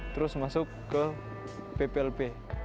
terus masuk ke pplp